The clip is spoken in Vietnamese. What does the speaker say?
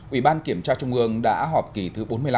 ủy ban kiểm tra trung ương đã họp kỳ thứ bốn mươi năm